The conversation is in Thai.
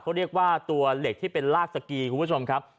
เขาเรียกว่าตัวเหล็กที่เป็นลากสกีคุณผู้ชมครับ